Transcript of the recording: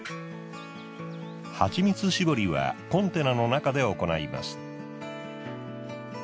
蜂蜜搾りはコンテナの中で行います。